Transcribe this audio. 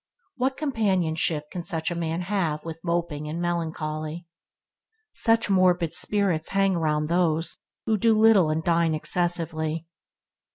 What companionship can such a man have with moping and melancholy? Such morbid spirits hang around those who do little and dine excessively.